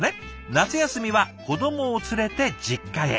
「夏休みは子どもを連れて実家へ。